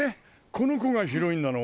このこがヒロインなの？